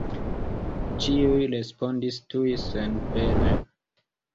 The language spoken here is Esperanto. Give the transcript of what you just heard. Ĉiuj respondis tuj senpere.